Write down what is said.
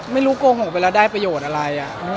โกหกไปแล้วได้ประโยชน์อะไร